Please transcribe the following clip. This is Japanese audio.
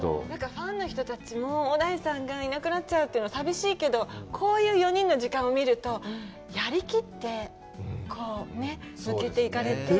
ファンの人たちも、小田井さんがいなくなっちゃうというのは寂しいけど、こういう４人の時間を見ると、やり切って抜けていかれて。